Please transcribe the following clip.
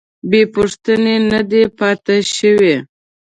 بې پوښتنې نه ده پاتې شوې.